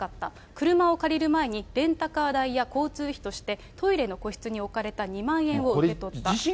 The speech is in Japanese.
車を借りる前にレンタカー代や交通費として、トイレの個室に置かれた２万円を受け取った。